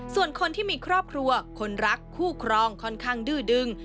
ส่วนคนที่มีครอบครัวคนรักคู่ครองค่อนข้างดื้อดึง